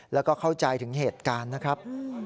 แล้วก็เข้าใจถึงเหตุการณ์นะครับ